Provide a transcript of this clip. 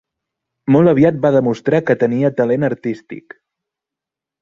Molt aviat va demostrar que tenia talent artístic.